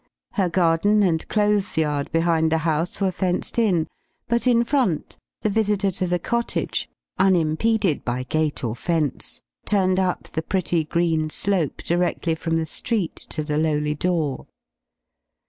Her garden and clothes yard behind the house were fenced in; but in front, the visitor to the cottage, unimpeded by gate or fence, turned up the pretty green slope directly from the street to the lowly door.